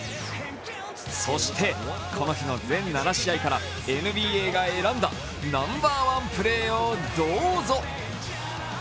そして、この日の全７試合からＮＢＡが選んだナンバーワンプレーをどうぞ！